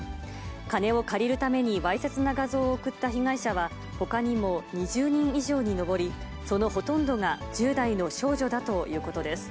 金を借りるためにわいせつな画像を送った被害者は、ほかにも２０人以上に上り、そのほとんどが１０代の少女だということです。